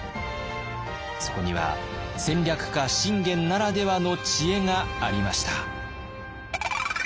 そこには戦略家信玄ならではの知恵がありました。